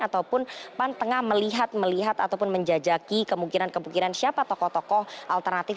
ataupun pan tengah melihat melihat ataupun menjajaki kemungkinan kemungkinan siapa tokoh tokoh alternatif